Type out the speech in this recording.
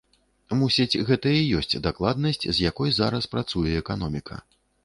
Мусіць, гэта і ёсць дакладнасць, з якой зараз працуе эканоміка.